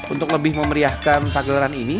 untuk lebih memeriahkan pagelaran ini